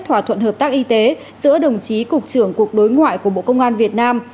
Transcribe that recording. thỏa thuận hợp tác y tế giữa đồng chí cục trưởng cục đối ngoại của bộ công an việt nam